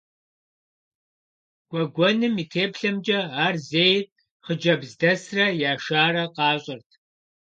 Гуэгуэным и теплъэмкӏэ, ар зейр хъыджэбз дэсрэ яшарэ къащӏэрт.